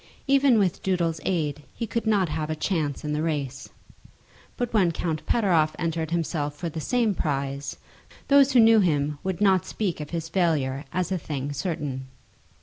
Even with Doodle's aid he could not have a chance in the race. But when Count Pateroff entered himself for the same prize, those who knew him would not speak of his failure as a thing certain.